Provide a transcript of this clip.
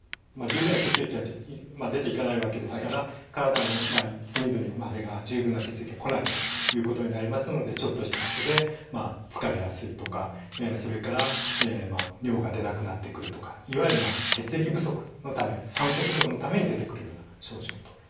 十分な血液が出ていかないわけですから体の隅々までが十分な血液が来ないということになりますのでちょっとしたことで疲れやすいとかそれから尿が出なくなってくるとかいわゆる血液不足のため酸素不足のために出てくるような症状と。